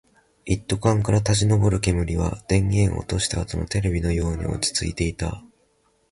一斗缶から立ち上る煙は、電源を落としたあとのテレビのように落ち着いていた